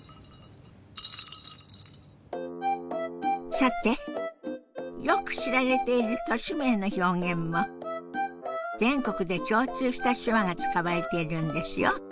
さてよく知られている都市名の表現も全国で共通した手話が使われているんですよ。